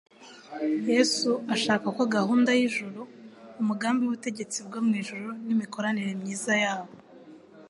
Yesu ashaka ko gahunda y'ijuru, umugambi w'ubutegetsi bwo mu ijuru n'imikoranire myiza y'abo